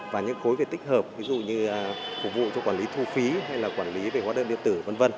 và những khối về tích hợp ví dụ như phục vụ cho quản lý thu phí hay là quản lý về hóa đơn điện tử v v